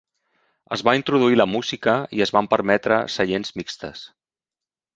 Es va introduir la música i es van permetre seients mixtes.